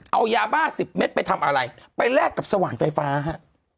เอายาบ้าสิบเม็ดไปทำอะไรไปแลกกับสว่างไฟฟ้าฮะ